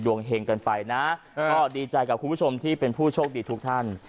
เฮงกันไปนะก็ดีใจกับคุณผู้ชมที่เป็นผู้โชคดีทุกท่าน